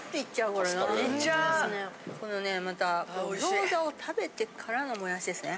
このねまた餃子を食べてからのもやしですね。